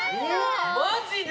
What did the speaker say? マジで！？